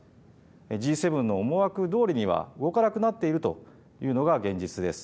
Ｇ７の思惑どおりには動かなくなっているというのが現実です。